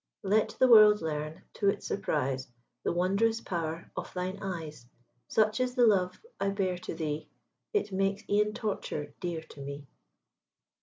Let the world learn, to its surprise, The wondrous power of thine eyes. Such is the love I bear to thee, It makes e'en torture dear to me.